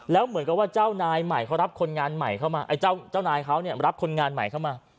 แล้วเหมือนกับว่าเจ้านายเขารับคนงานใหม่เข้ามา